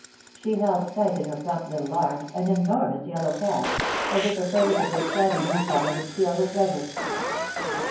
She held tight in her plump little arms, an enormous yellow cat, as if afraid that this shabby new comer would steal her treasure.